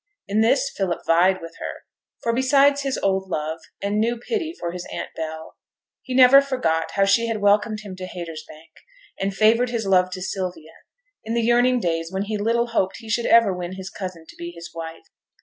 In this Philip vied with her; for besides his old love, and new pity for his aunt Bell, he never forgot how she had welcomed him to Haytersbank, and favoured his love to Sylvia, in the yearning days when he little hoped he should ever win his cousin to be his wife.